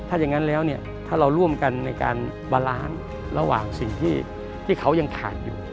ถ้าอย่างนั้นแล้วเนี่ยถ้าเราร่วมกันในการบาลานซ์ระหว่างสิ่งที่เขายังขาดอยู่